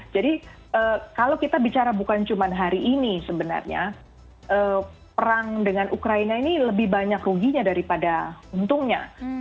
jadi kalau kita bicara bukan cuma hari ini sebenarnya perang dengan ukraina ini lebih banyak ruginya daripada untungnya